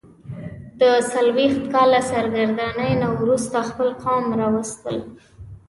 د څلوېښت کاله سرګرانۍ نه وروسته خپل قوم راوستل.